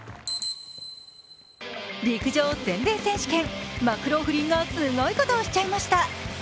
陸上全米選手権、マクローフリンがすごいことをしちゃいました。